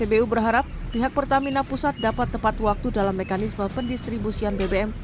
bbu berharap pihak pertamina pusat dapat tepat waktu dalam mekanisme pendistribusian bbm